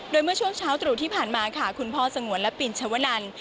โดยเมื่อช่วงเช้าตรู่ที่ผ่านมาค่ะคุณพ่อสงวนและปินชวนัน